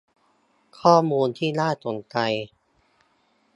ข้อมูลที่น่าสนใจ